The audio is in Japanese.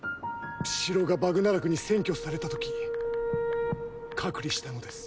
城がバグナラクに占拠された時隔離したのです。